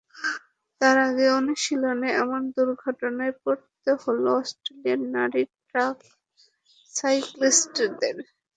তার আগে অনুশীলনে এমন দুর্ঘটনায় পড়তে হলো অস্ট্রেলিয়ার নারী ট্র্যাক সাইক্লিস্টদের।